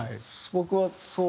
僕はそう。